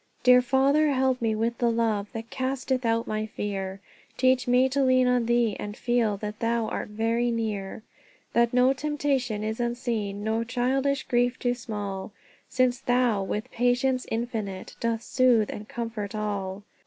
"Dear Father, help me with the love That casteth out my fear! Teach me to lean on thee, and feel That thou art very near; That no temptation is unseen, No childish grief too small, Since Thou, with patience infinite, Doth soothe and comfort all.